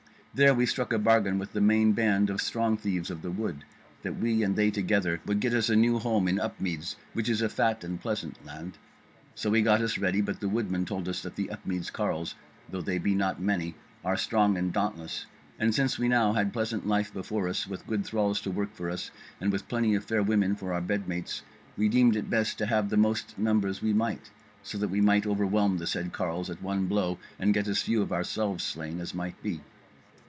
There we struck a bargain with the main band of strong thieves of the wood, that we and they together would get us a new home in Upmeads, which is a fat and pleasant land. So we got us ready; but the Woodmen told us that the Upmeads carles, though they be not many, are strong and dauntless, and since we now had pleasant life before us, with good thralls to work for us, and with plenty of fair women for our bed mates, we deemed it best to have the most numbers we might, so that we might over whelm the said carles at one blow, and get as few of ourselves slain as might be.